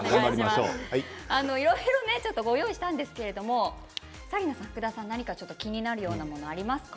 いろいろご用意したんですが紗理奈さんと福田さん気になるものはありますか？